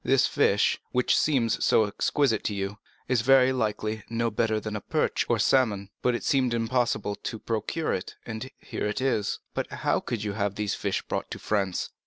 This fish, which seems so exquisite to you, is very likely no better than perch or salmon; but it seemed impossible to procure it, and here it is." "But how could you have these fish brought to France?"